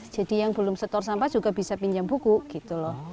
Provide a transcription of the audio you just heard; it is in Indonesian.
jadi yang belum setor sampah juga bisa pinjam buku gitu loh